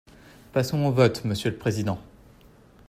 Passons au vote, monsieur le président.